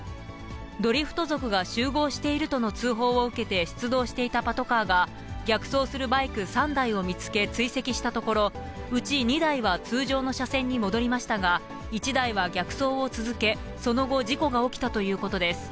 ドリフト族が集合しているとの通報を受けて出動していたパトカーが、逆走するバイク３台を見つけ、追跡したところ、うち２台は通常の車線に戻りましたが、１台は逆走を続け、その後、事故が起きたということです。